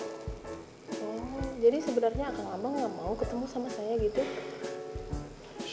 jadi sebenarnya akan lama gak mau ketemu sama saya gitu